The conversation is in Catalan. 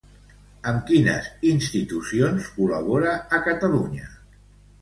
Amb quines institucions col·labora a Catalunya?